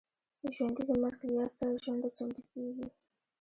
ژوندي د مرګ له یاد سره ژوند ته چمتو کېږي